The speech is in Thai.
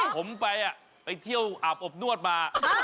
ผมไปไปเที่ยวอาบอบนวดมา